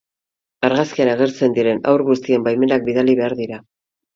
Argazkian agertzen diren haur guztien baimenak bidali behar dira.